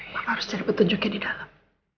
maka harus cari petunjuknya di dalam